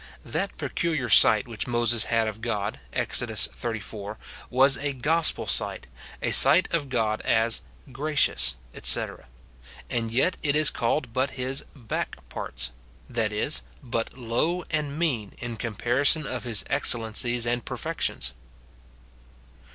That peculiar sight which Moses had of God, Exod. xxxiv., was a gospel sight, a sight of God as "gracious," etc., and yet it is called but his "back parts;" that is, but low and mean, in comparison of his excellencies and perfections.